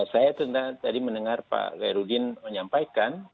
saya tadi mendengar pak gairudin menyampaikan